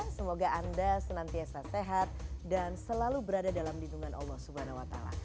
semoga anda senantiasa sehat dan selalu berada dalam lindungan allah swt